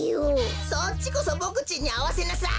そっちこそボクちんにあわせなさい！